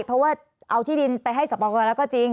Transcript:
เพราะว่าเอาที่ดินไปให้สระบอกกำลังแล้วก็จริง